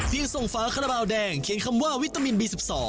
เพียงส่งฝาขนาบราวแดงเขียนคำว่าวิตามินบี๑๒